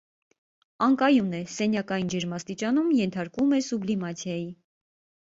Անկայուն է՝ սենյակային ջերմաստիճանում ենթարկվում է սուբլիմացիայի։